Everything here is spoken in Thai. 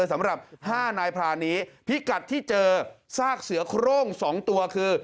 สำหรับ๕นายพรานนี้พิกัดที่เจอซากเสือโครง๒ตัวคือ